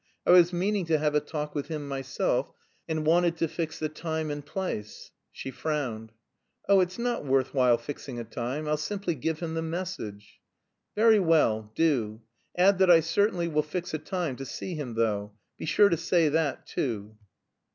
"I was meaning to have a talk with him myself, and wanted to fix the time and place." She frowned. "Oh, it's not worth while fixing a time. I'll simply give him the message." "Very well, do. Add that I certainly will fix a time to see him though. Be sure to say that too."